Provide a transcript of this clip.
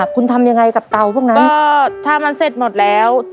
คุณทำยังไงกับเตาพวกนั้นก็ถ้ามันเสร็จหมดแล้ว